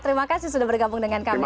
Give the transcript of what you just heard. terima kasih sudah bergabung dengan kami